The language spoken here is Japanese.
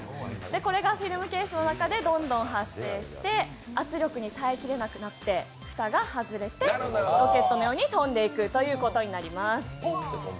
これがフィルムケースの中でどんどん発生して圧力に耐えきれなくなって蓋が外れて、ロケットのように飛んでいくということになります。